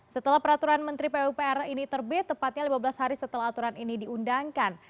setelah peraturan menteri pupr ini terbit tepatnya lima belas hari setelah aturan ini diundangkan